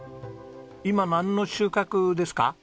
今なんの収穫ですか？